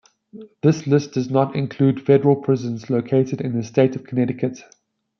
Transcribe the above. This list does not include federal prisons located in the state of Connecticut.